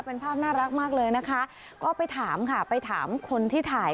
เป็นภาพน่ารักมากเลยนะคะก็ไปถามค่ะไปถามคนที่ถ่าย